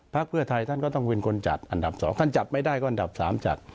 เพื่อไทยท่านก็ต้องเป็นคนจัดอันดับ๒ท่านจัดไม่ได้ก็อันดับ๓จัด